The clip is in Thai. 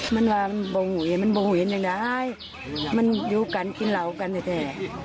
มันว่ามันบ่งหูเห็นมันบ่งหูเห็นจังได้มันอยู่กันกินเหลากันแท้